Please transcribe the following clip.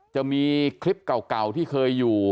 จะมีคลิปเก่าที่เคยอยู่